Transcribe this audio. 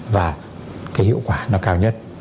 và cái hiệu quả nó cao nhất